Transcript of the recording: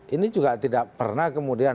ini juga tidak pernah kemudian